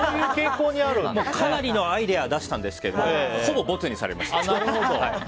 かなりのアイデアを出したんですけどほぼ、ボツにされました。